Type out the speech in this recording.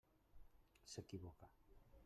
S'equivoca.